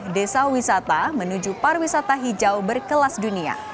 desa wisata menuju pariwisata hijau berkelas dunia